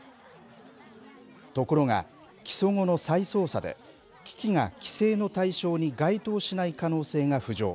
ところが、起訴後の再捜査で、機器が規制の対象に該当しない可能性が浮上。